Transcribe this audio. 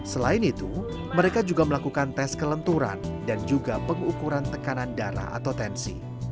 selain itu mereka juga melakukan tes kelenturan dan juga pengukuran tekanan darah atau tensi